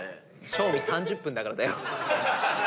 正味３０分だからだよ。